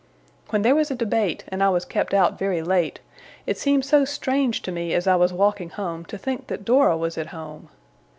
When there was a debate, and I was kept out very late, it seemed so strange to me, as I was walking home, to think that Dora was at home!